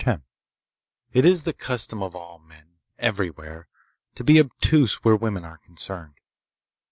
X It is the custom of all men, everywhere, to be obtuse where women are concerned.